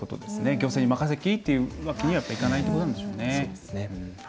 行政に任せきりというわけにはいかないということなんでしょうね。